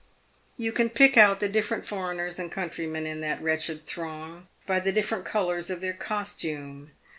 Tou can pick out the different foreigners and countrymen in that wretched throng by the different colours of their costume.